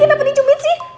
kenapa dicumin sih